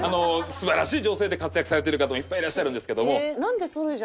素晴らしい女性で活躍されている方もいっぱいいらっしゃるんですけども。